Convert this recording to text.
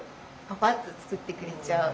パパッと作ってくれちゃう。